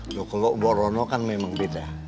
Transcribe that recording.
mbak kalau mbok orono kan memang beda